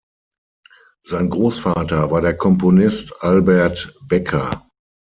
Sein Großvater war der Komponist Albert Becker.